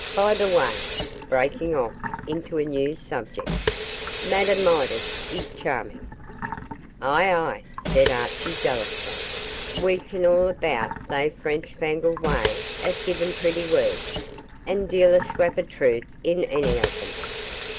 By the way,' breaking off into a new subject, 'Madame Midas is charming.' 'Aye, aye,' said Archie, jealously, 'we ken all aboot they French fangled way o' gieing pretty words, and deil a scrap of truth in ony o' them.